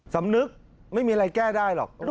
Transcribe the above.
สำนึกไม่มีอะไรแก้ได้หรอก